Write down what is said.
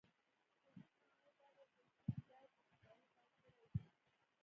د لیک معنی دا ده چې سید باید په سفرونو پیل کړی وي.